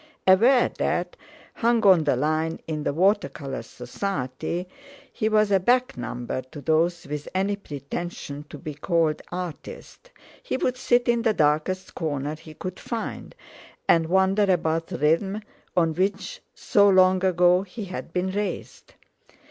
Aware that, hung on the line in the Water Colour Society, he was a back number to those with any pretension to be called artists, he would sit in the darkest corner he could find, and wonder about rhythm, on which so long ago he had been raised.